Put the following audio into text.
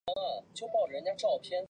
月台间以行人天桥连接。